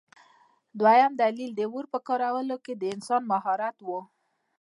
دویم دلیل د اور په کارولو کې د انسان مهارت و.